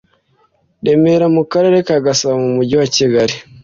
remera mu karere ka gasabo mu mujyi wakigali